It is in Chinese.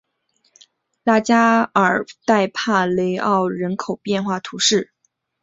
拉加尔代帕雷奥人口变化图示